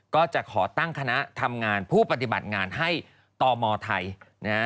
ก็จะขอตั้งคณะทำงานผู้ปฏิบัติงานให้ตมไทยนะฮะ